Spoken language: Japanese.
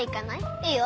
いいよ。